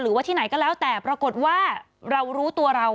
หรือว่าที่ไหนก็แล้วแต่ปรากฏว่าเรารู้ตัวเรา